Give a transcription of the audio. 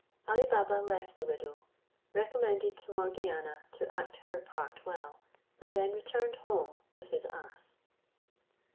Ali Baba left the widow, recommended to Morgiana to act her part well, and then returned home with his ass.